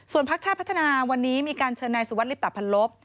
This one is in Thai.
ส่วนภักดิ์ชาติพัฒนาวันนี้มีการเชินนายสุวรรษตริตภัณฑ์ลบ